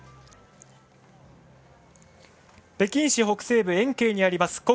北京市北西部延慶にあります